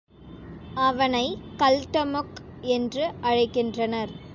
அவனைக் கல்டமொக் என்று அழைக்கின்றனர்.